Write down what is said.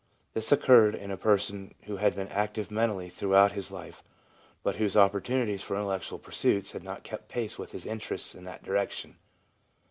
This occurred in a person who had been active mentally throughout his life, but whose opportunities for intellectual pursuits had not kept pace with his interests in that direction.